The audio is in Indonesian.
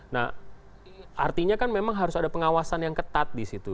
nah artinya kan memang harus ada pengawasan yang ketat di situ